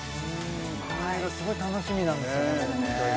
この映画すごい楽しみなんですよね